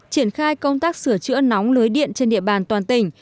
triển khai công tác sửa chữa nóng lưới điện trên địa bàn toàn tỉnh